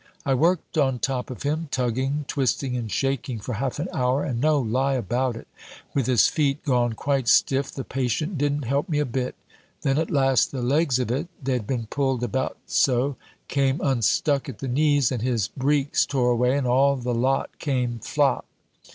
I worked on top of him, tugging, twisting and shaking, for half an hour and no lie about it. With his feet gone quite stiff, the patient didn't help me a bit. Then at last the legs of it they'd been pulled about so came unstuck at the knees, and his breeks tore away, and all the lot came, flop!